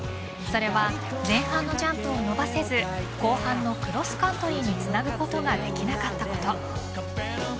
それは前半のジャンプを伸ばせず後半のクロスカントリーにつなぐことができなかったこと。